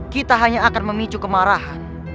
kita hanya akan memicu kemarahan